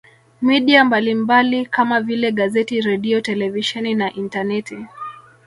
Media mbalimbali kama vile gazeti redio televisheni na intaneti